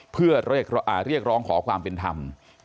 เพื่อเรียกร้องขอความเป็นธรรม